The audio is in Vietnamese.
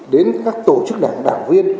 đến các tổ chức đảng đảng viên